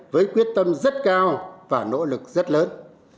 với quyết tâm rất cao và nỗ lực rất lớn